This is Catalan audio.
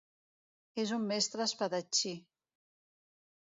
És un mestre espadatxí.